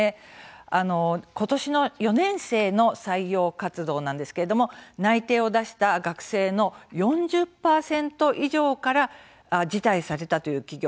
今年の４年生の採用活動では内定を出した学生の４０％以上から辞退されたという企業。